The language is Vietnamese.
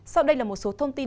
sau đây là một số thông tin